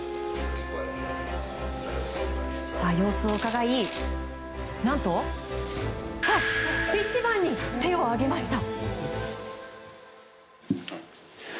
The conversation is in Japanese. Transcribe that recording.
様子をうかがい何と一番に手を挙げました。